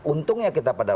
untungnya kita pada